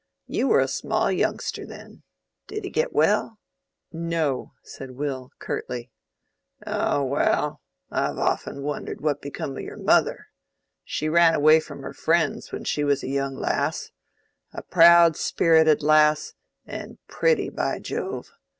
You were a small youngster then. Did he get well?" "No," said Will, curtly. "Ah! Well! I've often wondered what became of your mother. She ran away from her friends when she was a young lass—a proud spirited lass, and pretty, by Jove!